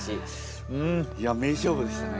いや名勝負でしたね。